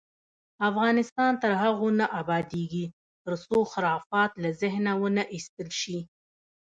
افغانستان تر هغو نه ابادیږي، ترڅو خرافات له ذهنه ونه ایستل شي.